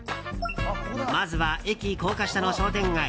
まずは、駅高架下の商店街